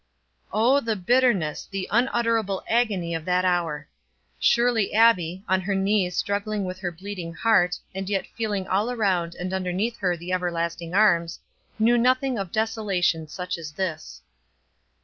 Oh, the bitterness, the unutterable agony of that hour! Surely Abbie, on her knees struggling with her bleeding heart, and yet feeling all around and underneath her the everlasting arms, knew nothing of desolation such as this.